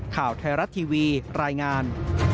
ข่าวไทยรัฐทีวีรายงาน